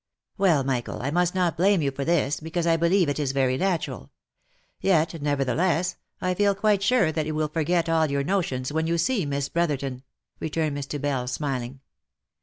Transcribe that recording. "Well, Michael, I must not blame you for this, because I believe it is very natural ; yet, nevertheless, I feel quite sure that you will forget all such notions when you see Miss Brotherton," returned Mr. Bell, smiling.